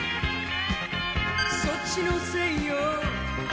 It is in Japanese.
そっちのせいよ